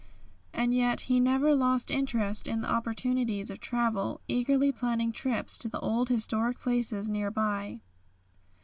And yet he never lost interest in the opportunities of travel, eagerly planning trips to the old historic places near by.